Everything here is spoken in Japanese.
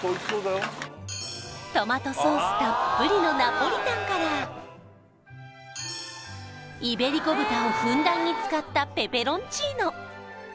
トマトソースたっぷりのナポリタンからイベリコ豚をふんだんに使ったペペロンチーノ